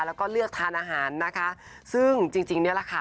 แล้วก็เลือกทานอาหารนะคะซึ่งจริงจริงเนี้ยแหละค่ะ